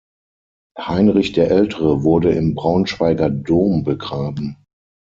Heinrich der Ältere wurde im Braunschweiger Dom begraben.